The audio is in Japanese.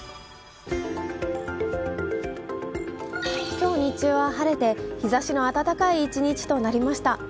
今日、日中は晴れて日ざしの暖かい一日となりました。